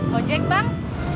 lo mau jack bang